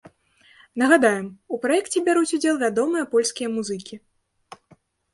Нагадаем, у праекце бяруць удзел вядомыя польскія музыкі.